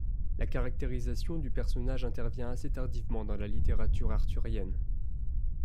La caractérisation du personnage intervient assez tardivement dans la littérature arthurienne.